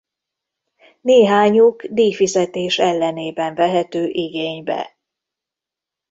Néhányuk díjfizetés ellenében vehető igénybe.